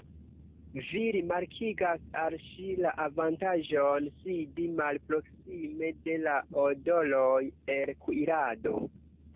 Vi rimarkigas al ŝi la avantaĝon sidi malproksime de la odoroj el kuirado.